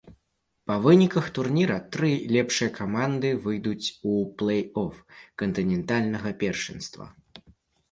Па выніках турніра тры лепшыя каманды выйдуць у плэй-оф кантынентальнага першынства.